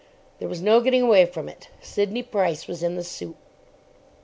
There was no getting away from it. Sidney Price was in the soup.